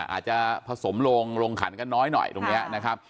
อาจจะผสมลงลงขันกันน้อยหน่อยตรงนี้นะครับ